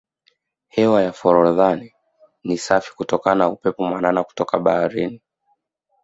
hewa ya forodhani ni safi kutokana na upepo mwanana kutoka baharini